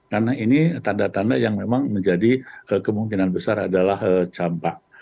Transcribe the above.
karena ini tanda tanda yang memang menjadi kemungkinan besar adalah campak